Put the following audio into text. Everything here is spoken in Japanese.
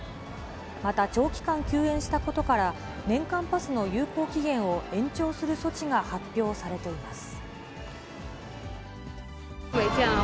また長期間休園したことから、年間パスの有効期限を延長する措置が発表されています。